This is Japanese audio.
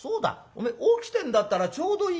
お前起きてんだったらちょうどいいや。